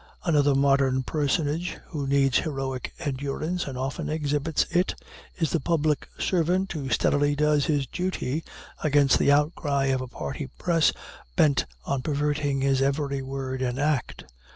Another modern personage who needs heroic endurance, and often exhibits it, is the public servant who steadily does his duty against the outcry of a party press bent on perverting his every word and act.